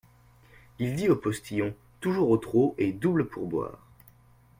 Il dit au postillon : Toujours au trot, et double pourboire.